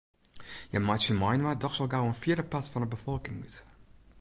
Hja meitsje mei-inoar dochs al gau in fjirdepart fan 'e befolking út.